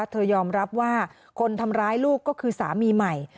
ยอมรับว่าคนทำร้ายลูกก็คือสามีใหม่